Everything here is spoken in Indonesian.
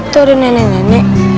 tuh ada nenek nenek